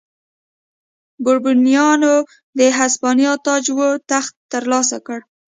بوروبونیانو د هسپانیا تاج و تخت ترلاسه کړ.